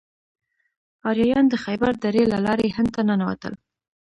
آریایان د خیبر درې له لارې هند ته ننوتل.